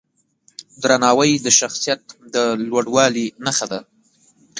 درناوی د شخصیت د لوړوالي نښه ده.